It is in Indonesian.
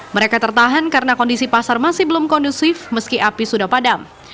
mereka tertahan karena kondisi pasar masih belum kondusif meski api sudah padam